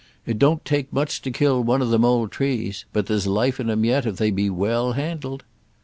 It don't take much to kill one of them old trees, but there's life in 'm yet if they be well handled."